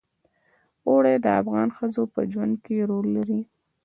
اوړي د افغان ښځو په ژوند کې رول لري.